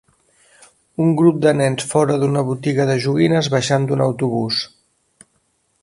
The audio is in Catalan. Un grup de nens fora d'una botiga de joguines baixant d'un autobús.